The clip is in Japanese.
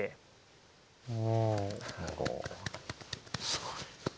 すごい。